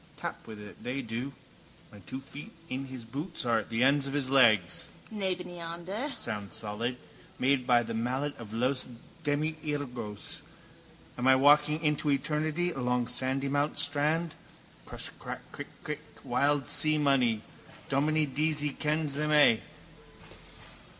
Tap with it: they do. My two feet in his boots are at the ends of his legs, nebeneinander. Sounds solid: made by the mallet of Los Demiurgos. Am I walking into eternity along Sandymount strand? Crush, crack, crick, crick. Wild sea money. Dominie Deasy kens them a'.